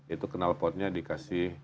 itu kenal potnya dikasih